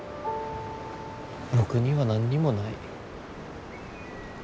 僕には何にもない。